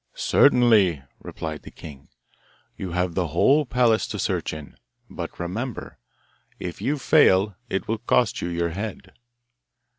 'Certainly,' replied the king. 'You have the whole palace to search in; but remember, if you fail it will cost you your head.